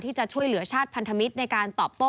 ที่จะช่วยเหลือชาติพันธมิตรในการตอบโต้